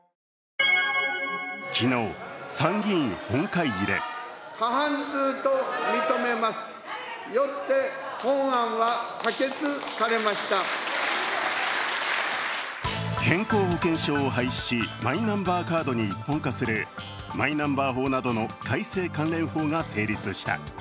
昨日、参議院本会議で健康保険証を廃止し、マイナンバーカードに一本化するマイナンバー法などの改正関連法が成立した。